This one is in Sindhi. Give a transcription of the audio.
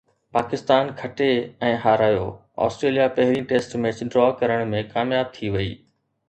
پاڪستان کٽي ۽ هارايو، آسٽريليا پهرين ٽيسٽ ميچ ڊرا ڪرڻ ۾ ڪامياب ٿي وئي